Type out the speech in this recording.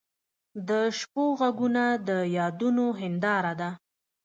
د شپو ږغونه د یادونو هنداره ده.